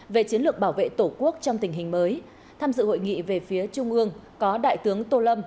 về chiến lược bảo vệ tổ quốc trong tình hình mới tham dự hội nghị về phía trung ương có đại tướng tô lâm